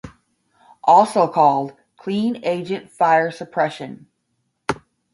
Also called clean agent fire suppression.